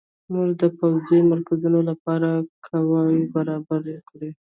موږ د پوځي مرکزونو لپاره قواوې برابرې کړو.